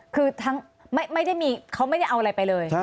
คือทั้งไม่ได้มีเขาไม่ได้เอาอะไรไปเลย